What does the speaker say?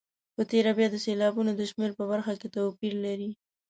په تېره بیا د سېلابونو د شمېر په برخه کې توپیر لري.